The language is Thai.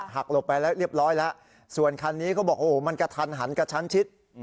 หลบไปแล้วเรียบร้อยแล้วส่วนคันนี้เขาบอกโอ้โหมันกระทันหันกระชั้นชิด